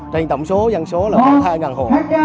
trên tổng số dân số là hai hồn